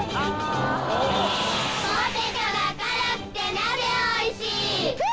ポテトが辛くてなぜおいしい！